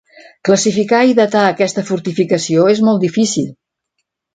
Classificar i datar aquesta fortificació és molt difícil.